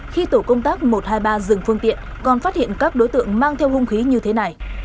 khi tổ công tác một trăm hai mươi ba dừng phương tiện còn phát hiện các đối tượng mang theo hung khí như thế này